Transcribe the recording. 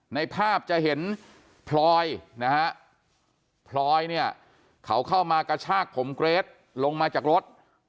ในภาพจะเห็นพลอยนะฮะพลอยเนี่ยเขาเข้ามากระชากผมเกรทลงมาจากรถ